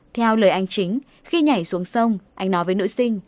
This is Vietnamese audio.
theo lời anh chính khi nhảy xuống sông anh nói với nữ sinh